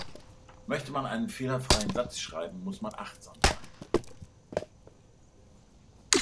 Möchte man einen fehlerfreien Satz schreiben, muss man achtsam sein.